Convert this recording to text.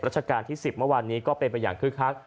ราชการที่๑๐เมื่อวานนี้ก็เป็นไปอย่างคึกคัก